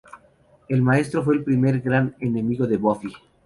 El Maestro fue el primer gran enemigo de Buffy.